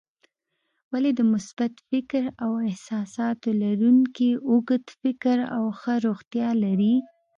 ولې د مثبت فکر او احساساتو لرونکي اوږد عمر او ښه روغتیا لري؟